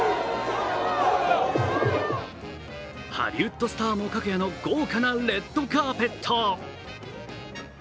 ハリウッドスターもかくやの豪華なレッドカーペット。